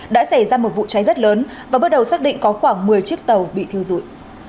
đã xảy ra một vụ cháy rất lớn và bắt đầu xác định có khoảng một mươi chiếc tàu bị thiêu rụi